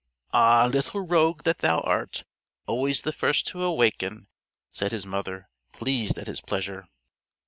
"Ah, little rogue that thou art! Always the first to waken," said his mother, pleased at his pleasure.